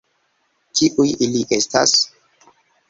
Kiuj ili estas?